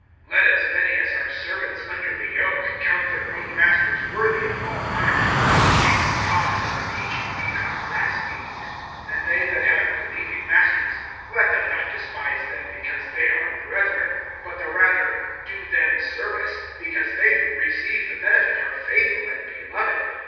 LET as many as are servants under the yoke count their own masters worthy of all honor, that the name of God and the teaching be not blasphemed. (2)And they that have believing masters, let them not despise them because they are brethren; but the rather do them service, because they who receive the benefit are faithful and beloved.